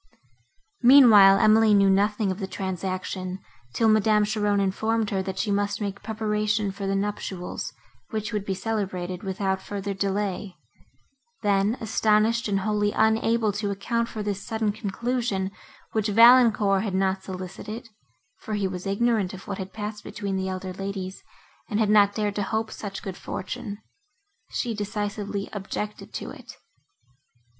Meanwhile, Emily knew nothing of the transaction, till Madame Cheron informed her, that she must make preparation for the nuptials, which would be celebrated without further delay; then, astonished and wholly unable to account for this sudden conclusion, which Valancourt had not solicited (for he was ignorant of what had passed between the elder ladies, and had not dared to hope such good fortune), she decisively objected to it.